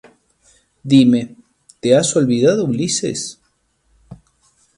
dime, ¿ te has olvidado, Ulises?